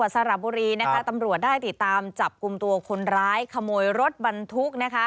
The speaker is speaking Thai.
สระบุรีนะคะตำรวจได้ติดตามจับกลุ่มตัวคนร้ายขโมยรถบรรทุกนะคะ